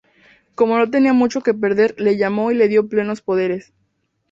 Como no tenía mucho que perder, le llamó y le dio plenos poderes.